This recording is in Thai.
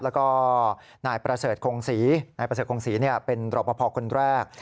แล้วก็นายประเสริฐคงศรีนายประเสริฐคงศรีเป็นรอปภคนแรก